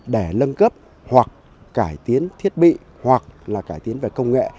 để lân cấp hoặc cải tiến thiết bị hoặc là cải tiến về công nghệ